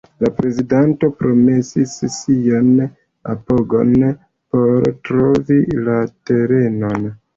La prezidento promesis sian apogon por trovi la terenon.